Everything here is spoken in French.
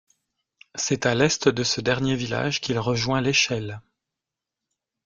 C'est à l'est de ce dernier village qu'il rejoint l'Eichel.